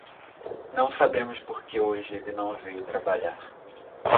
Não sabemos por que hoje ele não veio trabalhar.